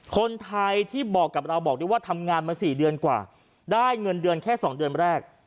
คนไทยที่บอกกับเราบอกได้ว่าทำงานมา๔เดือนกว่าได้เงินเดือนแค่๒เดือนแรก